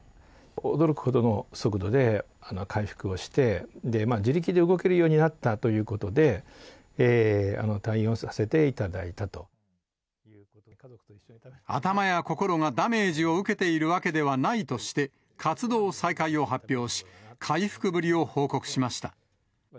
驚くほどの速度で回復をして、自力で動けるようになったということで、頭や心がダメージを受けているわけではないとして、活動再開を発表し、回復ぶりを報告しました。